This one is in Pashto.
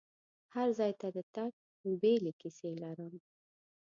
هر ځای ته د تګ بیلې کیسې لرم.